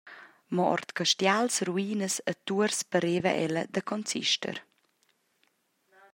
Mo ord castials, ruinas e tuors pareva ella da consister.